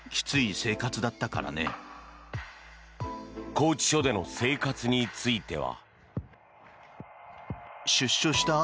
拘置所での生活については。